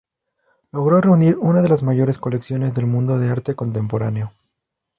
Logró reunir una de las mayores colecciones del mundo de arte contemporáneo.